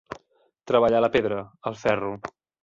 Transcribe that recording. Treballar la pedra, el ferro.